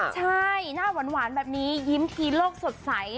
ใช่หน้าหวานแบบนี้ยิ้มทีโลกสดใส